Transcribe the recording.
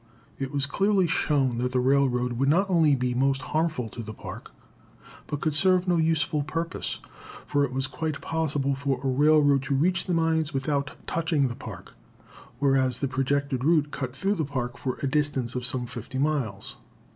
It was clearly shown that the railroad would not only be most harmful to the Park, but could serve no useful purpose; for it was quite possible for a railroad to reach the mines without touching the Park, whereas the projected route cut through the Park for a distance of some fifty miles.